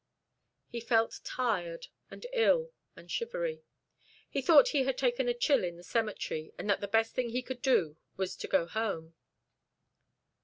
He felt tired and ill and shivery. He thought he had taken a chill in the cemetery, and that the best thing he could do was to go home.